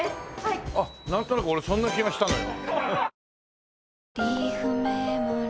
なんとなく俺そんな気がしたのよ。